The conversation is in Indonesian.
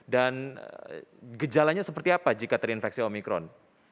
dan gejalanya seperti apa jika terinfeksi omikron